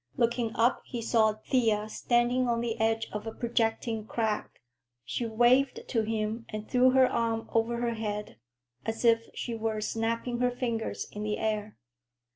Looking up, he saw Thea standing on the edge of a projecting crag. She waved to him and threw her arm over her head, as if she were snapping her fingers in the air.